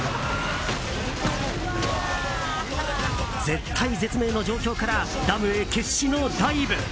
絶体絶命の状況からダムへ決死のダイブ！